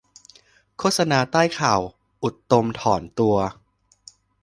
โฆษณาใต้ข่าวอุตตมถอนตัว